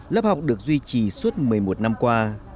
lớp học được duy trì suốt một mươi một năm qua